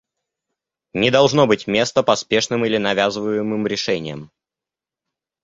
Не должно быть места поспешным или навязываемым решениям.